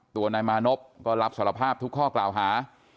ตัวนายมานพก็รับสารภาพทุกข้อกล่าวหา